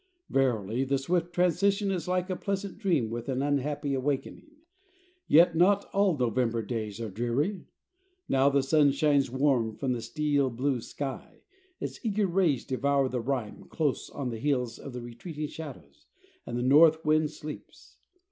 Verily, the swift transition is like a pleasant dream with an unhappy awakening. Yet not all November days are dreary. Now the sun shines warm from the steel blue sky, its eager rays devour the rime close on the heels of the retreating shadows, and the north wind sleeps.